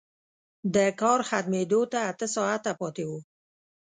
د کار ختمېدو ته اته ساعته پاتې وو